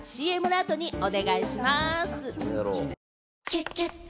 「キュキュット」